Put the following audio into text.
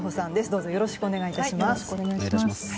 どうぞよろしくお願い致します。